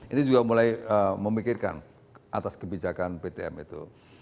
ini juga mulai memikirkan atas kebijakan ptm itu